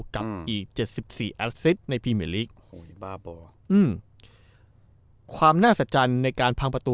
กับอีกเจ็ดสิบสี่ในบ้าบออืมความน่าสัจจันในการพังประตู